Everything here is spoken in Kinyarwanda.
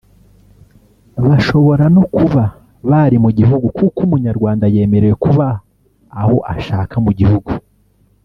bashobora no kuba bari mu gihugu kuko Umunyarwanda yemerewe kuba aho ashaka mu gihugu